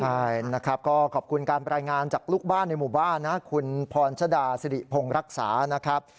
ใช่นะครับก็ขอบคุณการรายงานจากลูกบ้านในหมู่บ้านนะคุณพรชดาสิริพงศ์รักษานะครับ